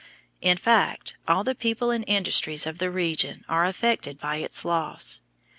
In fact, all the people and industries of the region are affected by its loss.